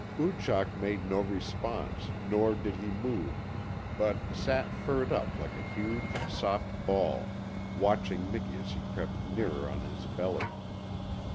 Oochak made no response, nor did he move, but sat furred up like a huge soft ball, watching Miki as he crept nearer on his belly.